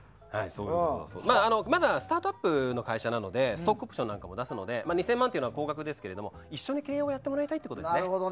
まだスタートアップの会社なのでストックオプションなんかも出すので２０００万は高額ですけど一緒に経営をやってもらいたいということですね。